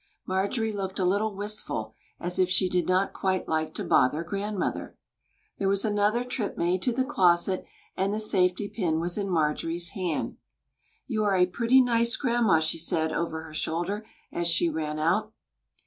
Marjorie looked a little wistful, as if she did not quite like to bother grandmother. There was another trip made to the closet, and the safety pin was in Marjorie's hand. "You are a pretty nice grandma," she said, over her shoulder, as she ran out.